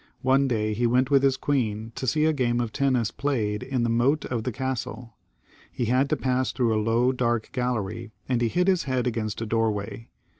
One day he XXXII.] CHARLES VIIL 229 went with his queen to see a game of tennis played in the moat of the castle. He had to pass through a low, dark gaUery, and he hit his head against a doorway.